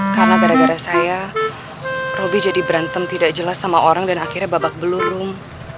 karena gara gara saya robi jadi berantem tidak jelas sama orang dan akhirnya babak belurung